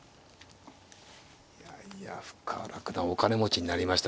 いやいや深浦九段はお金持ちになりましたよ。